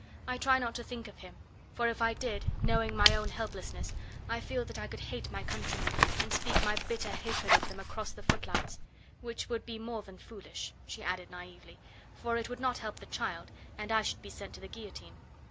I try not to think of him, for if I did, knowing my own helplessness, I feel that I could hate my countrymen, and speak my bitter hatred of them across the footlights; which would be more than foolish," she added naively, "for it would not help the child, and I should be sent to the guillotine.